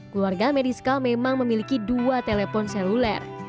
keluarga meriska memang memiliki dua telepon seluler